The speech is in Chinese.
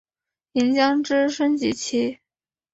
银将之升级棋。